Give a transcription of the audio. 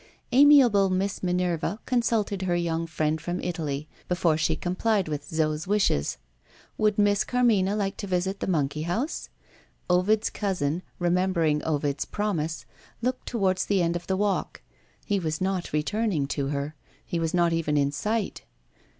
Amiable Miss Minerva consulted her young friend from Italy before she complied with Zo's wishes. Would Miss Carmina like to visit the monkey house? Ovid's cousin, remembering Ovid's promise, looked towards the end of the walk. He was not returning to her he was not even in sight.